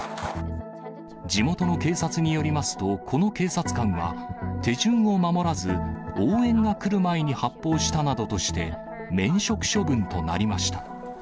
地元の警察によりますと、この警察官は、手順を守らず、応援が来る前に発砲したなどとして、免職処分となりました。